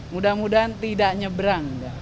mudah mudahan tidak nyebrang